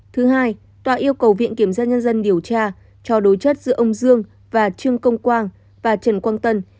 thứ hai tòa yêu cầu viện kiểm tra nhân dân điều tra cho đối chất giữa ông dương và trương công quang và trần quang tân